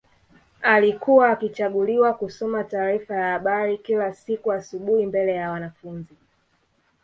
Alikuwa akichaguliwa kusoma taarifa ya habari kila siku asubuhi mbele ya wanafunzi